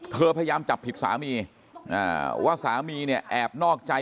เธอพยายามจับผิดสามีว่าสามีแอบนอกใจ